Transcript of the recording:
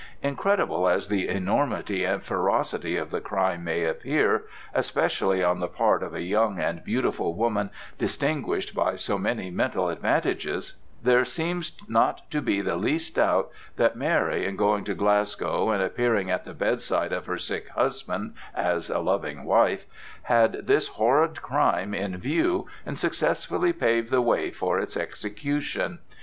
Incredible as the enormity and ferocity of the crime may appear, especially on the part of a young and beautiful woman distinguished by so many mental advantages, there seems not to be the least doubt that Mary, in going to Glasgow and appearing at the bedside of her sick husband as a loving wife, had this horrid crime in view and successfully paved the way for its execution.